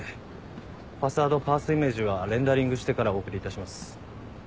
ファサードパースイメージはレンダリングしてからお送りいたします。